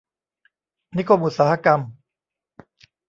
นิคมอุตสาหกรรม